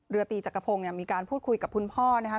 เรือตรีจักรพงค์มีการพูดคุยกับคุณพ่อนะฮะ